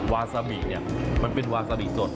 วาซามิเนี่ยมันเป็นวาซาบิสด